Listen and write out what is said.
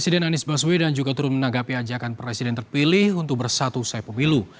dan anies baswedan juga turut menanggapi ajakan presiden terpilih untuk bersatu usai pemilu